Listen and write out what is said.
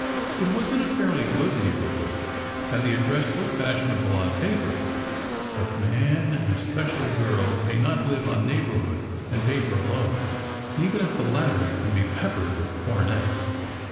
It was in a fairly good neighbourhood, and the address looked fashionable on paper; but man, and especially girl, may not live on neighbourhood and paper alone, even if the latter can be peppered with coronets.